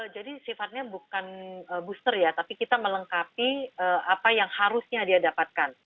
jadi sifatnya bukan booster ya tapi kita melengkapi apa yang harusnya dia dapatkan